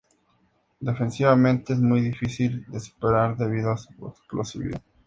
Defensivamente es muy difícil de superar debido a su explosividad.